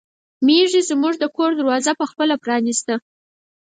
میښې زموږ د کور دروازه په خپله پرانیسته.